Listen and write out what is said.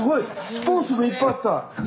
スポーツのいっぱいあった。